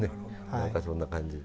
何かそんな感じで。